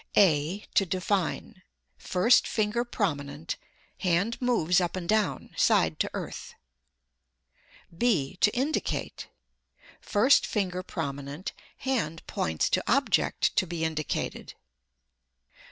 (a) To define: first finger prominent; hand moves up and down, side to earth; (b) to indicate: first finger prominent; hand points to object to be indicated.